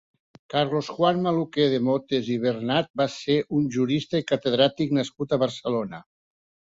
Carlos Juan Maluquer de Motes i Bernet va ser un jurista i catedràtic nascut a Barcelona.